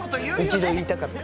一度言いたかった。